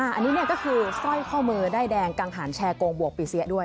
อันนี้ก็คือสร้อยข้อมือด้ายแดงกังหันแชร์โกงบวกปีเสียด้วย